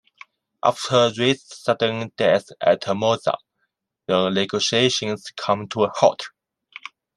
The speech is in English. After Rindt's sudden death at Monza, the negotiations came to a halt.